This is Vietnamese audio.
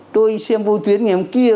tôi xem vô tuyến ngày hôm kia